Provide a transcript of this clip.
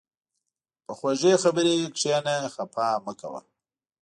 په خوږې خبرې کښېنه، خفه مه کوه.